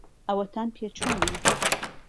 ئەوەتان پێ چۆنە؟